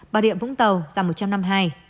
bà rịa vũng tàu giảm một trăm năm mươi hai